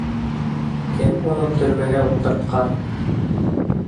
Кем уны төрмәгә ултыртҡан?